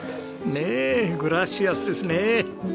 ねえグラシアスですね。